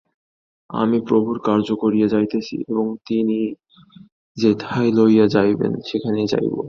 আমি প্রভুর কার্য করিয়া যাইতেছি এবং তিনি যেথায় লইয়া যাইবেন সেখানেই যাইব।